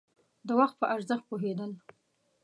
د وخت په ارزښت پوهېدل.